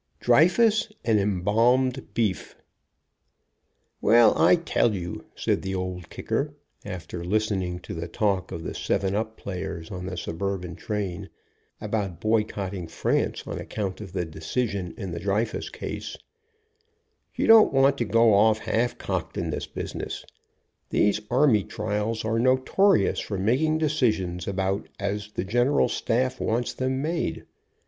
DREYFUS AND EMBALMED BEEF. "Well, I tell you," said the Old Kicker, after listen ing to the talk of the seven up players on the sub urban train, about boycotting France on account of the decision in the Dreyfus case, "y9 u don't want to go off half cocked in this business. These army trials are notorious for making decisions about as the general staff wants them made.